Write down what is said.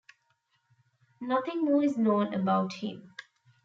Nothing more is known about him.